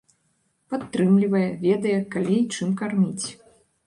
Падтрымлівае, ведае, калі і чым карміць.